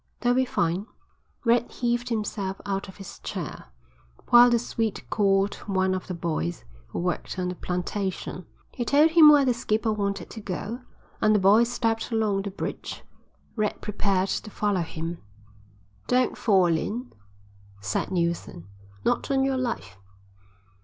"That'll be fine." Red heaved himself out of his chair, while the Swede called one of the boys who worked on the plantation. He told him where the skipper wanted to go, and the boy stepped along the bridge. Red prepared to follow him. "Don't fall in," said Neilson. "Not on your life."